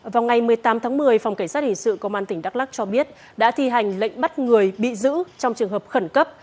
vào ngày một mươi tám tháng một mươi phòng cảnh sát hình sự công an tỉnh đắk lắc cho biết đã thi hành lệnh bắt người bị giữ trong trường hợp khẩn cấp